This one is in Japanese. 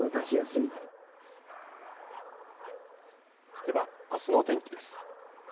では、あすの天気です。